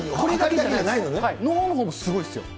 脳のほうもすごいですよ。